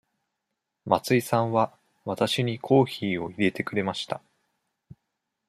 松井さんはわたしにコーヒーを入れてくれました。